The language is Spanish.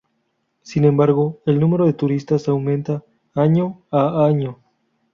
Sin embargo, el número de turistas aumenta año a año.